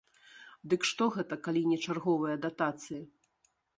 Дык што гэта, калі не чарговыя датацыі?